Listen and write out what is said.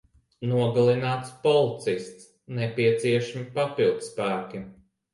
Nogalināts policists. Nepieciešami papildspēki.